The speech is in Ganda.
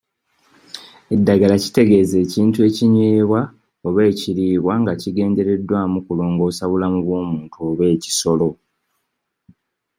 Eddagala kitegeeza ekintu ekinywebwa oba ekiriibwa nga kigendereddwamu kulongoosa bulamu bw'omuntu oba ekisolo.